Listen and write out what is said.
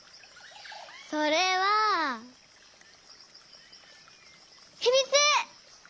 それはひみつ！